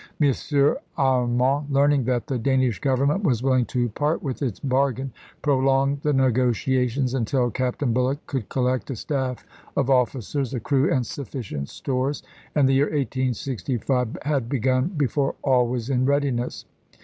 M. Arman, learning that the Danish Government was willing to part with its bargain, prolonged the negotiations until Captain Bulloch could collect a staff of officers, a crew, and sufficient stores ; and the year 1865 had begun before all was in readiness.